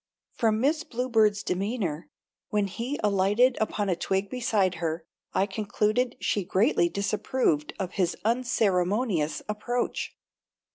From Miss Bluebird's demeanor, when he alighted upon a twig beside her, I concluded she greatly disapproved of his unceremonius approach.